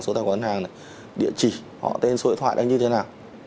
số tài khoản ngân hàng này địa chỉ họ tên số điện thoại này như thế nào